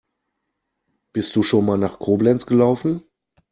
Bist du schon mal nach Koblenz gelaufen?